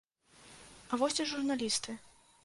А вось і журналісты.